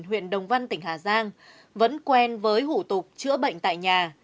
huyện đồng văn tỉnh hà giang vẫn quen với hủ tục chữa bệnh tại nhà